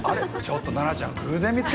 ちょっとナナちゃん